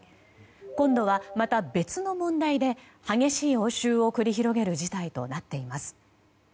今度は、また別の問題で激しい応酬を繰り広げる事態となっています。